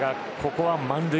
ここは満塁